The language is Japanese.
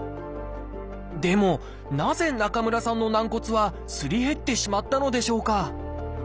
でもなぜ中村さんの軟骨はすり減ってしまったのでしょうか？